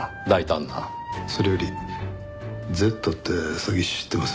それよりＺって詐欺師知ってます？